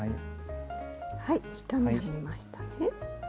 はい１目編めましたね。